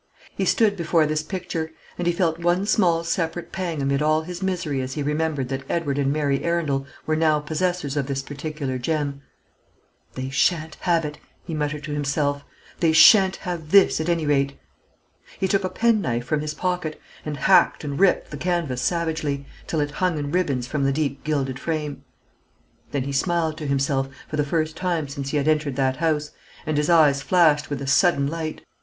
He stood before this picture, and he felt one small separate pang amid all his misery as he remembered that Edward and Mary Arundel were now possessors of this particular gem. "They sha'n't have it," he muttered to himself; "they sha'n't have this, at any rate." He took a penknife from his pocket, and hacked and ripped the canvas savagely, till it hung in ribbons from the deep gilded frame. Then he smiled to himself, for the first time since he had entered that house, and his eyes flashed with a sudden light.